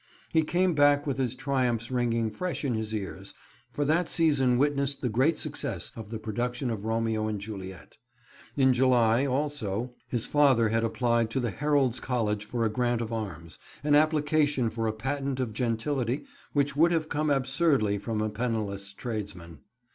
He came back with his triumphs ringing fresh in his ears, for that season witnessed the great success of the production of Romeo and Juliet. In July, also, his father had applied to the Heralds' College for a grant of arms, an application for a patent of gentility which would have come absurdly from a penniless tradesman.